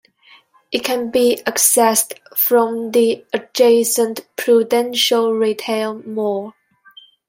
It can be accessed from the adjacent Prudential retail mall.